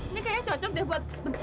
ini kayaknya cocok deh buat